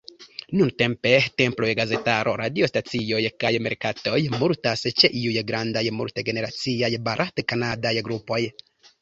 Nuntempe temploj, gazetaro, radiostacioj, kaj merkatoj multas ĉe iuj grandaj, mult-generaciaj barat-kanadaj grupoj.